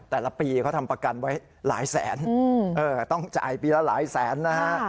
แต่ละปีเขาทำประกันไว้หลายแสนต้องจ่ายปีละหลายแสนนะฮะ